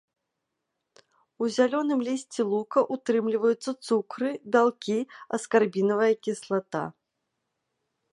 У зялёным лісці лука ўтрымліваюцца цукры, бялкі, аскарбінавая кіслата.